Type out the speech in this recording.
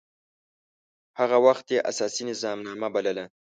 هغه وخت يي اساسي نظامنامه بلله.